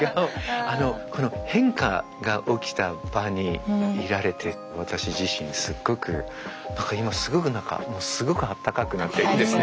変化が起きた場にいられて私自身すっごく何か今すごく何かすごくあたたかくなっていいですね。